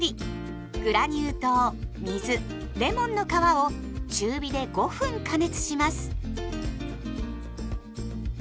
グラニュー糖水レモンの皮を中火で５分加熱します。